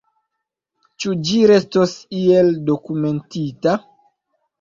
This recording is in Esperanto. Ĉu ĝi restos iel dokumentita?